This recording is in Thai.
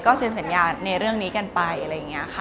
เซ็นสัญญาในเรื่องนี้กันไปอะไรอย่างนี้ค่ะ